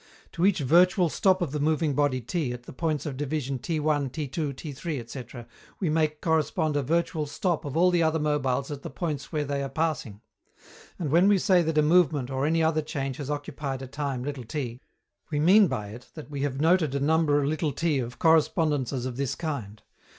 To each virtual stop of the moving body T at the points of division T_, T_, T_, ... we make correspond a virtual stop of all the other mobiles at the points where they are passing. And when we say that a movement or any other change has occupied a time t, we mean by it that we have noted a number t of correspondences of this kind.